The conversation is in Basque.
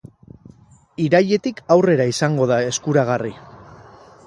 Irailetik aurrera izango da eskuragarri.